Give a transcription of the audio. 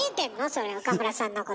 それ岡村さんのこと。